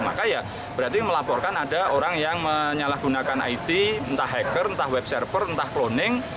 maka ya berarti melaporkan ada orang yang menyalahgunakan it entah hacker entah web server entah cloning